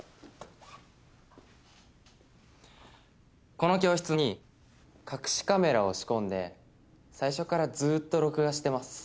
この教室に隠しカメラを仕込んで最初からずっと録画してます。